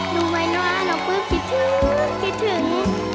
ดูไม่นอนออกปุ๊บคิดถึงคิดถึง